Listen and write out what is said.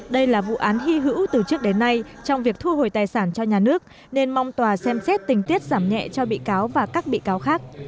đây là vụ án hy hữu từ trước đến nay trong việc thu hồi tài sản cho nhà nước nên mong tòa xem xét tình tiết giảm nhẹ cho bị cáo và các bị cáo khác